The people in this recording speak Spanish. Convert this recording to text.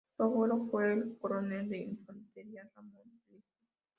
Su abuelo fue el coronel de infantería Ramón Lista.